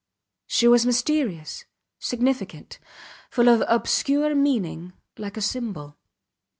She was mysterious, significant, full of obscure meaning like a symbol.